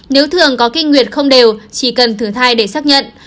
nếu thường có kinh nguyệt không đều chỉ cần thử thai để xác nhận